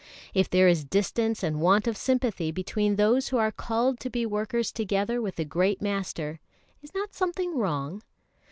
If there is distance and want of sympathy between those who are called to be workers together with the great Master, is not something wrong?